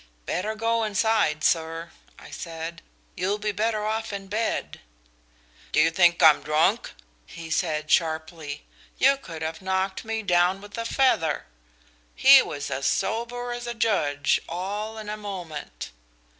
'Better go inside, sir,' I said. 'You'll be better off in bed.' 'Do you think I am drunk?' he said sharply. You could have knocked me down with a feather. He was as sober as a judge, all in a moment.